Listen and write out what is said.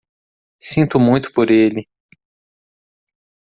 Sinto muito por ele.